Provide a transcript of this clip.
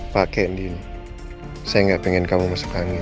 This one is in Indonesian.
pakai ndi saya nggak pengen kamu masuk angin